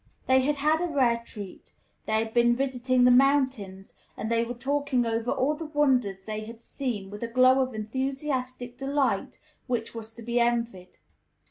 They had had a rare treat; they had been visiting the mountains, and they were talking over all the wonders they had seen with a glow of enthusiastic delight which was to be envied.